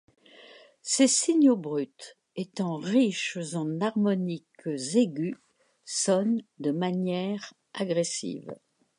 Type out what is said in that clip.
Ces signaux bruts, étant riches en harmoniques aigues, sonnent de manière agressive.